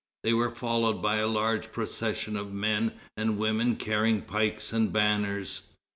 They were followed by a large procession of men and women carrying pikes and banners.